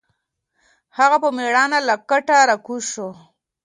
هغه په مېړانه له کټه راکوز شو.